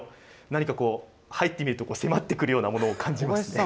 何かこう、入ってみると迫ってくるようなものを感じますね。